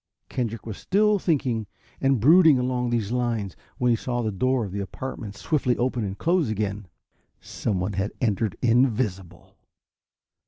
Kendrick was still thinking and brooding along these lines when he saw the door of the apartment swiftly open and close again. Someone had entered, invisible!